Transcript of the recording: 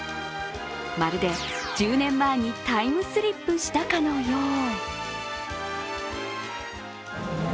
まるで１０年前にタイムスリップしたかのよう。